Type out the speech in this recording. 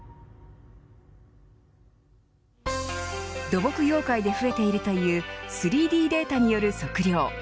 土木業界で増えているという３Ｄデータによる測量。